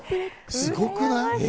すごくない？